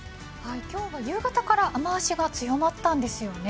今日は夕方から雨脚が強まったんですよね。